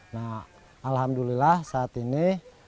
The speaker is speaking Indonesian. nah alhamdulillah saat ini